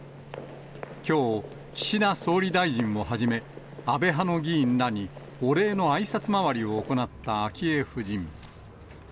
きょう、岸田総理大臣をはじめ、安倍派の議員らにお礼のあいさつ回りを行った昭恵夫人。